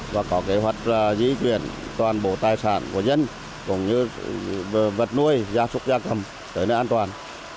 và có kế hoạch di chuyển toàn bộ tài sản của dân cũng như về vật nuôi gia súc gia cầm tới nơi an toàn